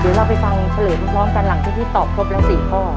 เดี๋ยวเราไปฟังเฉลยพร้อมกันหลังจากที่ตอบครบแล้ว๔ข้อ